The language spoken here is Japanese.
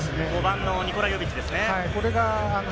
５番のニコラ・ヨビッチですね。